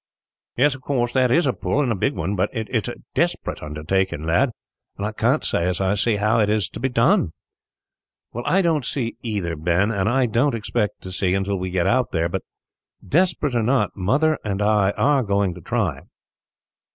"Yes, of course that is a pull, and a big one; but it is a desperate undertaking, lad, and I can't say as I see how it is to be done." "I don't see either, Ben, and I don't expect to see until we get out there; but, desperate or not, Mother and I are going to try."